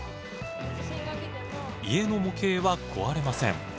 家の模型は壊れません。